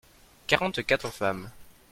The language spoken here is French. quarante quatre femmes.